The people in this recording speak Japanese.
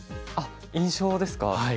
あっ印象ですか。